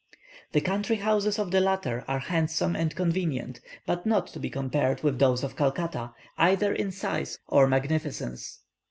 The country houses of the latter are handsome and convenient, but not to be compared with those of Calcutta, either in size or magnificence.